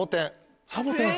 サボテン？